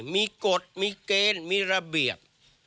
มีกฎมีเกณฑ์มีระเบียบ